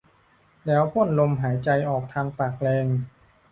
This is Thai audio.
แล้วพ่นลมหายใจออกทางปากแรง